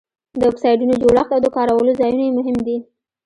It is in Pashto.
د اکسایډونو جوړښت او د کارولو ځایونه یې مهم دي.